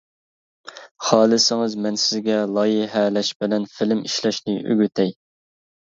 خالىسىڭىز مەن سىزگە لايىھەلەش بىلەن فىلىم ئىشلەشنى ئۆگىتەي.